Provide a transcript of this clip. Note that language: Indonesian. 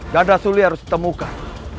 ganda suli harus ditemukan